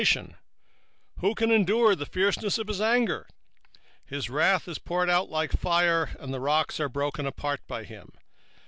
and who can abide in the fierceness of his anger? his fury is poured out like fire, and the rocks are thrown down by him.